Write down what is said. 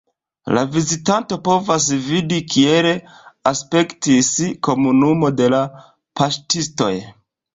La vizitanto povas vidi, kiel aspektis komunumo de la paŝtistoj.